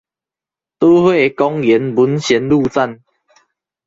都會公園文賢路站